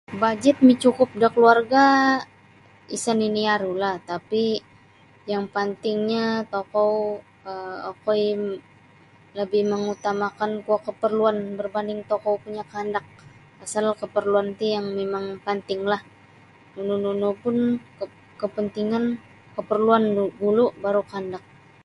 Bajet micukup da kaluarga' isa nini' arulah tapi yang pantingnyo tokou um okoi labih mangutamakan kuo kaparluan barbanding tokou punyo kaandak pasal kaparluan ti yang mimang pantinglah nunu-nunu pun kapantingan kaparluan gulu' baru' kaandak.